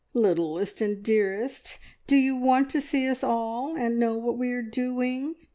"Littlest and dearest, do you want to see us all, and know what we are doing?